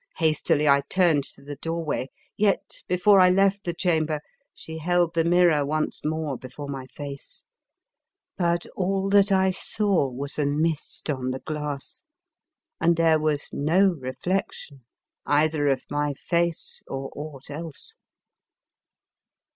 Hastily I turned to the doorway, yet before I left the chamber she held the mirror once more before my face; but all that I saw was a mist on the glass, and there was no reflection either of my face or aught else.